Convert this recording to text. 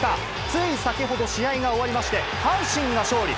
つい先ほど、試合が終わりまして、阪神が勝利。